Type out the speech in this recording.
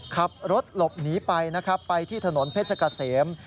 ขับรถหลบหนีไปไปที่ถนนเพชรกะเสม